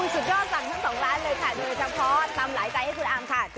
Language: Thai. สุดยอดสั่งทั้งสองร้านเลยค่ะโดยเฉพาะตำหลายใจให้คุณอามค่ะ